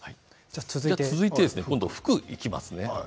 続いて服にいきますね。